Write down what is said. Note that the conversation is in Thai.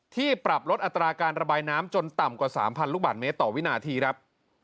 ที่ปรับลดอัตราการระบายน้ำจนต่ำกว่า๓๐๐ลูกบาทเมตรต่อวินาทีครับ